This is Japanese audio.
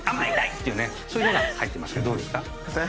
そういうのが入ってますけどどうですか？